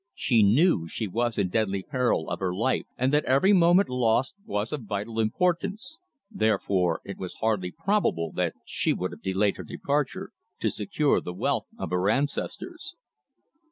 She knew she was in deadly peril of her life, and that every moment lost was of vital importance, therefore it was hardly probable that she would have delayed her departure to secure the wealth of her ancestors.